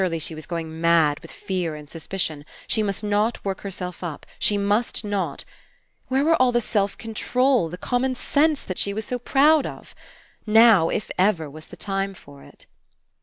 Surely, she was going mad with fear and suspicion. She must not work herself up. She must not ! Where were all the self control, the common sense, that she was so proud of? Now, if ever, was the time for it.